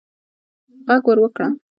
ږغ ور وکړه